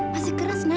masih keras nak